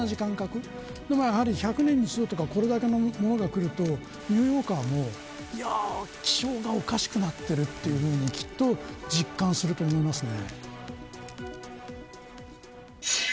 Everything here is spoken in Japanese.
なので、１００年に一度とかこれだけのものが来るとニューヨーカーも気象がおかしくなってるというふうにきっと実感すると思いますね。